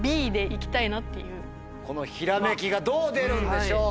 このひらめきがどう出るんでしょうか。